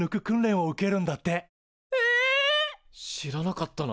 知らなかったな。